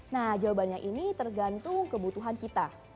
nah jawabannya ini tergantung kebutuhan kita